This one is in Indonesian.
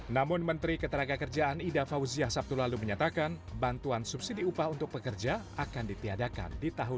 namun menteri ketenaga kerjaan ida fauziah sabtu lalu menyatakan bantuan subsidi upah untuk pekerja akan ditiadakan di tahun dua ribu dua puluh